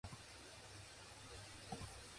Only three stories remain in the quadrangular tower.